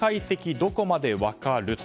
どこまで分かる？と。